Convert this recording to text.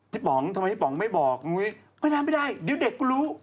ที่ป๋องกะพลตอนงี้ที่ป๋องไม่บอกไม่ได้ไม่ได้เดี๋ยวเด็กก็รู้